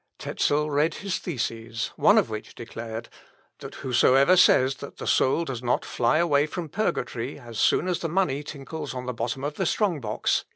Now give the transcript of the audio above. Tezel read his theses, one of which declared, "that whosoever says that the soul does not fly away from purgatory as soon as the money tinkles on the bottom of the strong box, is in error."